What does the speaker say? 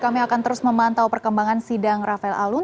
kami akan terus memantau perkembangan sidang rafael alun